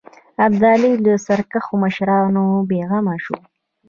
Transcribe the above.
ابدالي له سرکښو مشرانو بېغمه شو.